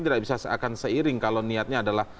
tidak bisa akan seiring kalau niatnya adalah